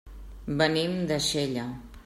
Venim de Xella.